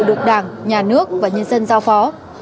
được đảng nhà nước và nhân dân giao phó